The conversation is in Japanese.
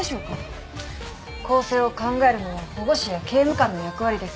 更生を考えるのは保護司や刑務官の役割です。